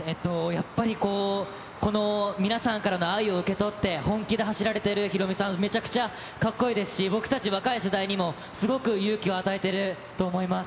やっぱりこう、この皆さんからの愛を受け取って本気で走られてるヒロミさん、めちゃくちゃかっこいいですし、僕たち、若い世代にも、すごく勇気を与えていると思います。